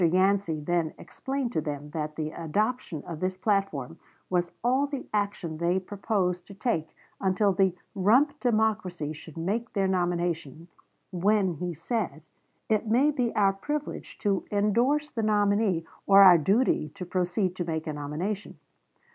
Yancey then explained to them that the adoption of this platform was all the action they proposed to take until the "rump democracy" should make their nomination, when, he said, "it may be our privilege to indorse the nominee, or our duty to proceed to make a nomination."